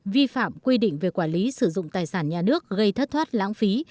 vi phạm quy định về quản lý sử dụng tài sản nhà nước gây thất thoát lãng phí